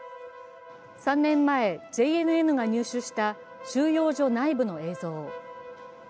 ３年前、ＪＮＮが入手した収容所内部の映像。